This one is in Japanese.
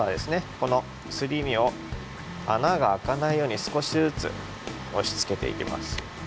このすり身をあながあかないようにすこしずつ押しつけていきます。